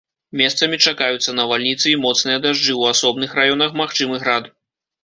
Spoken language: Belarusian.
Месцамі чакаюцца навальніцы і моцныя дажджы, у асобных раёнах магчымы град.